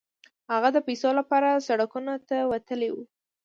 هغه د پيسو لپاره سړکونو ته وتلی و.